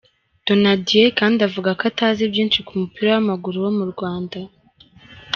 Donadei kandi avuga ko atazi byinshi ku mupira w’amaguru wo mu Rwanda.